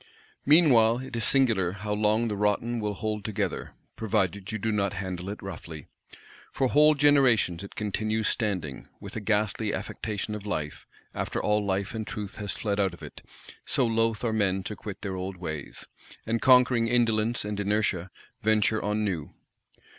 Meanwhile it is singular how long the rotten will hold together, provided you do not handle it roughly. For whole generations it continues standing, "with a ghastly affectation of life," after all life and truth has fled out of it; so loth are men to quit their old ways; and, conquering indolence and inertia, venture on new.